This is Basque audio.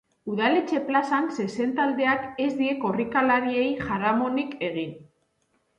Udaletxe plazan zezen taldeak ez die korrikalariei jaramonik egin.